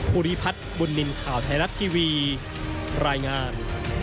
ภูริพัฒน์บุญนินทร์ข่าวไทยรัฐทีวีรายงาน